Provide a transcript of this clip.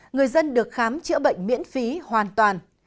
người dân được khám chữa bệnh miễn phí hoàn toàn